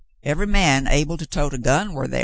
Ev'y man able to tote a gun war thar.